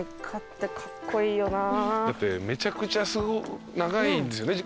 だってめちゃくちゃ長いんですよね